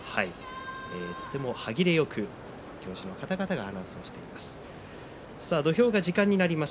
とても歯切れよく行司の方々がアナウンスをしています。